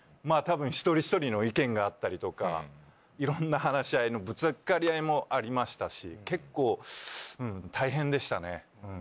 多分一人一人の意見があったりとかいろんな話し合いのぶつかり合いもありましたし結構大変でしたね。